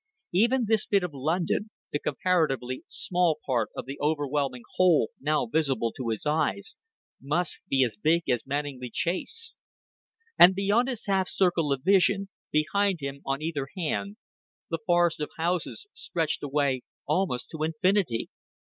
Even this bit of London, the comparatively small part of the overwhelming whole now visible to his eyes, must be as big as Manninglea Chase. And beyond his half circle of vision, behind him, on either hand, the forest of houses stretched away almost to infinity.